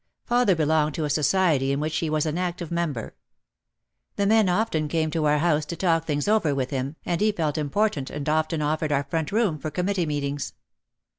Father belonged to a society in which he was an active member. The men often came to our house to talk things over with him and he felt important and often offered our front room for committee meetings.